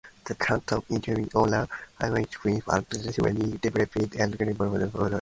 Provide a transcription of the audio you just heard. The concept of institutional isomorphism was primarily developed by Paul DiMaggio and Walter Powell.